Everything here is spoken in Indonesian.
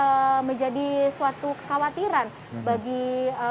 tentu saja hal ini menjadi suatu khawatiran bagi pedagang daging sapi